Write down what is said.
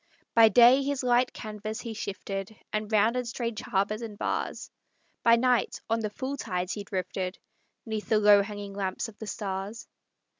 By day his light canvas he shifted, And rounded strange harbors and bars; By night, on the full tides he drifted, 'Neath the low hanging lamps of the stars.